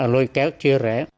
lôi kéo chưa rẻ